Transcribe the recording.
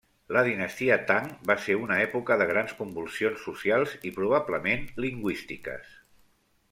La dinastia Tang va ser una època de grans convulsions socials i probablement lingüístiques.